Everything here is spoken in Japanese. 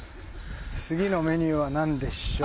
「次のメニューは何でしょう？」